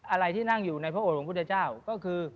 อะไรที่นั่งอยู่ในพระองค์พุทธเจ้าก็คือ